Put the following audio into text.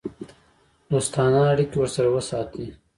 دوستانه اړیکې ورسره وساتي.